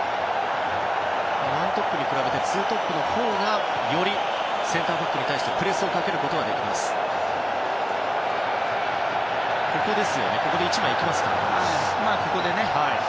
１トップに比べて２トップのほうがよりセンターバックに対してプレスをかけることができます。